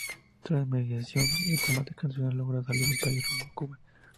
Tras la mediación diplomática internacional logra salir del país rumbo a Cuba.